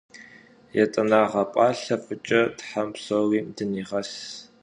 Yêt'eneğe p'alhe f'ıç'e them psori dıniğes!